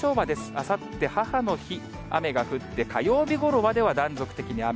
あさって母の日、雨が降って、火曜日ごろまでは断続的に雨。